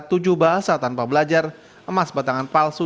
tujuh bahasa tanpa belajar emas batangan palsu